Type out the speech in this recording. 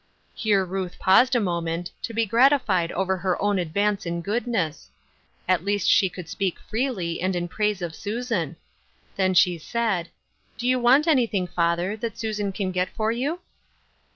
Here Ruth paused a moment, to be gratified over her own advance in goodness. At least she could speak freel}^ and in praise of Susan. Then she said :" Do you want anything, father, that Susan can get for you